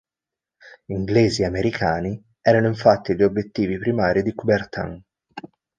Inglesi e americani erano infatti gli obiettivi primari di Coubertin.